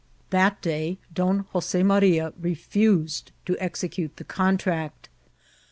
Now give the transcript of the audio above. That day Don Jose Maria refused to execute the con tract.